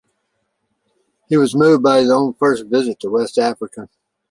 He was moved by his own first visit to West Africa.